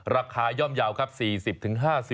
ราคาย่อมยาว๔๐๕๐บาท